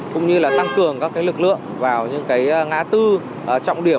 cũng như là tăng cường các lực lượng vào những ngã tư trọng điểm